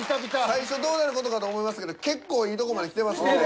最初どうなる事かと思いましたけど結構いいとこまできてますので。